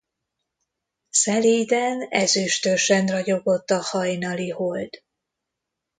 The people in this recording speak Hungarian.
Szelíden, ezüstösen ragyogott a hajnali hold.